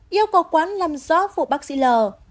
yêu cầu quán làm rõ vụ bác sĩ l